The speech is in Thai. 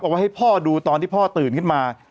ว่าให้พ่อดูตอนที่พ่อตื่นขึ้นมา